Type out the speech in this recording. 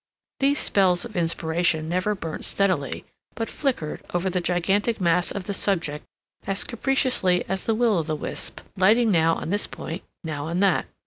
These spells of inspiration never burnt steadily, but flickered over the gigantic mass of the subject as capriciously as a will o' the wisp, lighting now on this point, now on that.